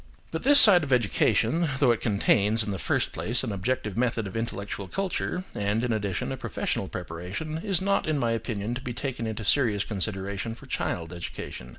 But this side of education, though it contains, in the first place, an objective method of intellectual culture, and, in addition, a professional preparation, is not, in my opinion, to be taken into serious consideration for child education.